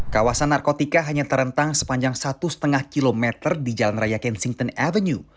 kawasan narkotika hanya terentang sepanjang satu lima km di jalan raya kensington avenue